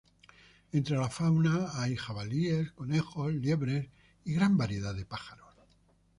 Entre la fauna hay jabalíes, conejos, liebres y gran variedad de pájaros.